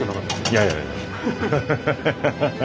いやいやいや。